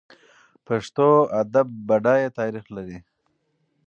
پښتو ادب بډایه تاریخ لري.